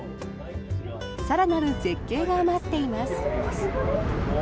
更なる絶景が待っています。